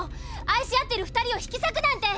愛し合ってる２人を引きさくなんて！